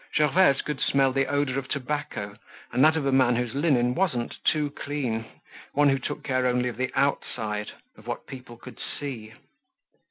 Gervaise could smell the odor of tobacco and that of a man whose linen wasn't too clean, one who took care only of the outside, of what people could see.